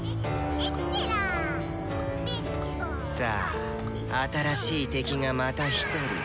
さぁ新しい敵がまた１人。